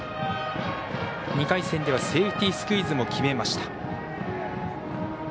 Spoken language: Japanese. ２回戦ではセーフティースクイズも決めました。